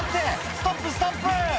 ストップストップ！」